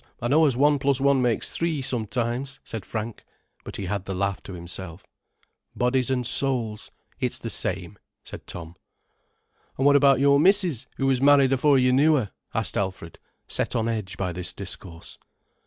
I know as one plus one makes three, sometimes," said Frank. But he had the laugh to himself. "Bodies and souls, it's the same," said Tom. "And what about your missis, who was married afore you knew her?" asked Alfred, set on edge by this discourse.